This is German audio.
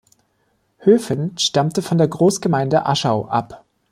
Höfen stammte von der Großgemeinde Aschau ab.